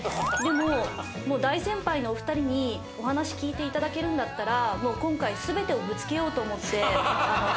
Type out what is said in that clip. でも大先輩のお二人にお話聞いて頂けるんだったらもう今回全てをぶつけようと思って。